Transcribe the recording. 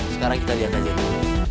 sekarang kita lihat aja dulu